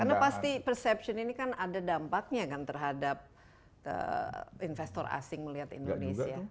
karena pasti perception ini kan ada dampaknya kan terhadap investor asing melihat indonesia